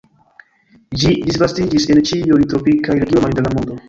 Ĝi disvastiĝis en ĉiuj tropikaj regionoj de la mondo.